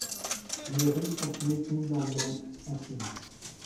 Mais les Russes sont une ethnie d'environ en Chine.